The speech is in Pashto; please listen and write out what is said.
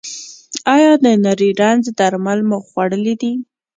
ایا د نري رنځ درمل مو خوړلي دي؟